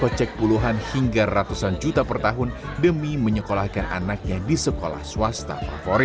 kocek puluhan hingga ratusan juta per tahun demi menyekolahkan anaknya di sekolah swasta favorit